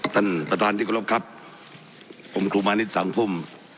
ท่านประธานที่กรบครับผมครูมานิดสังพุ่ม